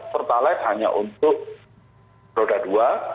pertalite hanya untuk roda dua